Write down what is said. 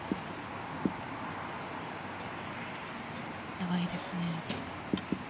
長いですね。